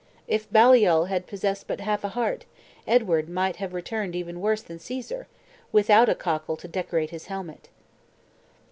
If Baliol had possessed but half a heart, Edward might have returned even worse than Caesar without a cockle to decorate his helmet."